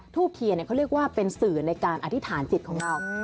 เทียนเขาเรียกว่าเป็นสื่อในการอธิษฐานจิตของเรา